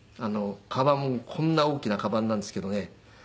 カバンもこんな大きなカバンなんですけどね。